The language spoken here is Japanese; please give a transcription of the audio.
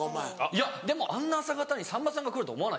いやでもあんな朝方にさんまさんが来ると思わないです。